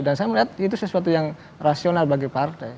dan saya melihat itu sesuatu yang rasional bagi partai